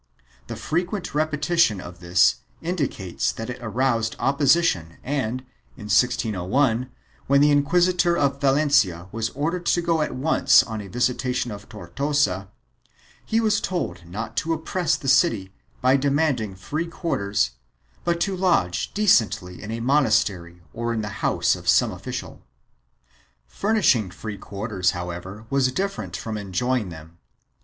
4 The frequent repetition of this indicates that it aroused opposition and, in 1601, when the inquisitor of Valencia was ordered to go at once on a visitation of Tortosa, he was told not to oppress the city by demanding free quarters but to lodge decently in a monastery or in the house of some official.5 Furnishing free quarters however was different from enjoying them.